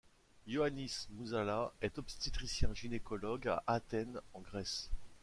Ioannis Mouzalas est obstétricien gynécologue à Athènes en Grèce.